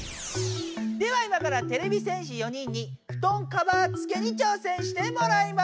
では今からてれび戦士４人に布団カバーつけに挑戦してもらいます。